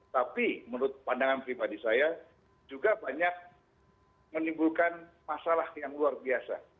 tapi menurut pandangan pribadi saya juga banyak menimbulkan masalah yang luar biasa